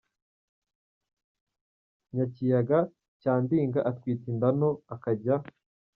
Nyakiyaga cya Ndiga atwite inda nto. Akajya